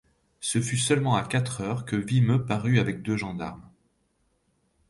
Ce fut seulement à quatre heures que Vimeux parut avec deux gendarmes.